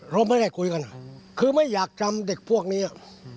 เราไม่ได้คุยกันคือไม่อยากจำเด็กพวกนี้